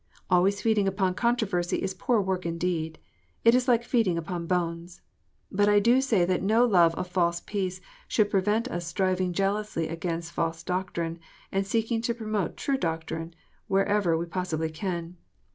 Always feeding upon controversy is poor work indeed. It is like feeding upon bones. But I do say that no love of false peace should prevent us striving jealously against false doctrine, and seeking to promote true doctrine wherever we possibly can.